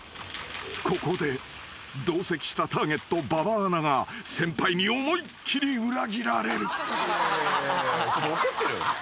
［ここで同席したターゲット馬場アナが先輩に思いっ切り裏切られる］